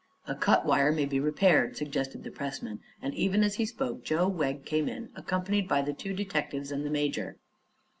"A cut wire may be repaired," suggested the pressman, and even as he spoke Joe Wegg came in, accompanied by the two detectives and the major.